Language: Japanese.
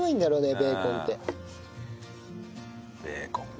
ベーコンか。